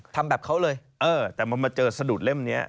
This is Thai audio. แต่พอมาเจอสะดุดเล่มนี้